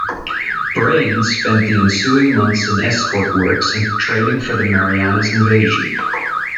"Braine" spent the ensuing months in escort work and training for the Marianas invasion.